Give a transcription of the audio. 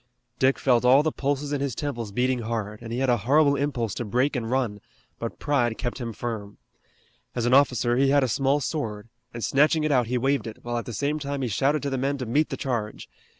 Dick felt all the pulses in his temples beating hard, and he had a horrible impulse to break and run, but pride kept him firm. As an officer, he had a small sword, and snatching it out he waved it, while at the same time he shouted to the men to meet the charge.